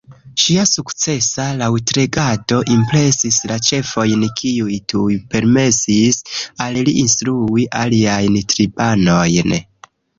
Ŝia sukcesa laŭtlegado impresis la ĉefojn kiuj tuj permesis al li instrui aliajn tribanojn